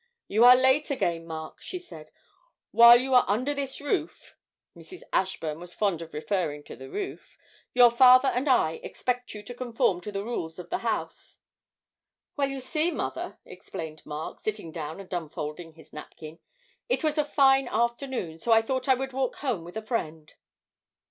'You are late again, Mark,' she said; 'while you are under this roof' (Mrs. Ashburn was fond of referring to the roof) 'your father and I expect you to conform to the rules of the house.' 'Well, you see, mother,' explained Mark, sitting down and unfolding his napkin, 'it was a fine afternoon, so I thought I would walk home with a friend.'